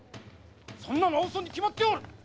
そんなのウソに決まっておる！